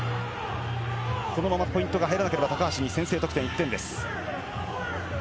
このままポイントが入らなければ高橋に先制得点１点です。